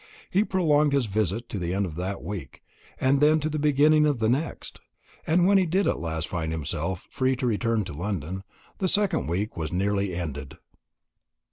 He prolonged his visit to the end of that week, and then to the beginning of the next; and when he did at last find himself free to return to London, the second week was nearly ended.